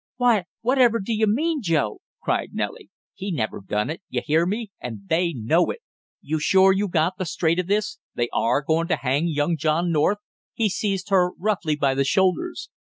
"Why, whatever do you mean, Joe?" cried Nellie. "He never done it you hear me and they know it! You sure you got the straight of this they are goin' to hang young John North?" He seized her roughly by the shoulders.